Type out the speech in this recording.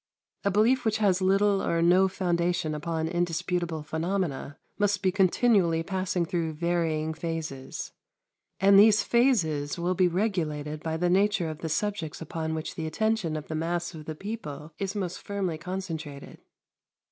A belief which has little or no foundation upon indisputable phenomena must be continually passing through varying phases, and these phases will be regulated by the nature of the subjects upon which the attention of the mass of the people is most firmly concentrated.